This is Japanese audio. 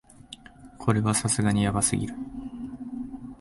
これはさすがにヤバすぎる